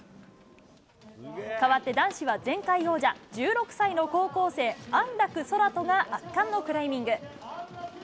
変わって、男子は前回王者、１６歳の高校生、安楽宙斗が圧巻のクライミング。